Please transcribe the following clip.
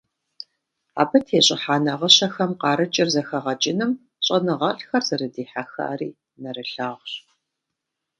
Абы тещIыхьа нагъыщэхэм къарыкIыр зэхэгъэкIыным щIэныгъэлIхэр зэрыдихьэхари нэрылъагъущ.